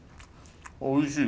おいしい。